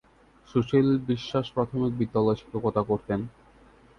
সুশীল বিশ্বাস প্রাথমিক বিদ্যালয়ে শিক্ষকতা করতেন।